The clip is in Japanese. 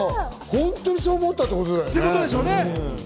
本当にそう思ったっていうことだもんね。